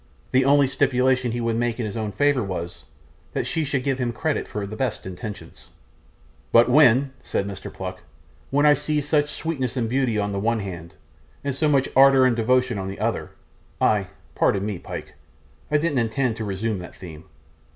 The only stipulation he would make in his own favour was, that she should give him credit for the best intentions. 'But when,' said Mr. Pluck, 'when I see so much sweetness and beauty on the one hand, and so much ardour and devotion on the other, I pardon me, Pyke, I didn't intend to resume that theme.